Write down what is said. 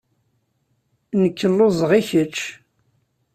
Nekk lluẓeɣ. I kečč?